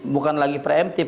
bukan lagi preventif